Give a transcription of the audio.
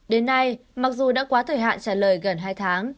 đến nay mặc dù đã quá thời hạn trả lời gần hai tháng